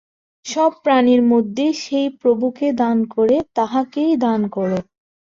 সব প্রাণীর মধ্যে সেই প্রভুকে দান করে তাঁকেই দান কর।